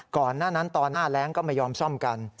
ก่อนหน้านั้นตอนหน้าแรงก็ไม่ยอมซ่อมกัน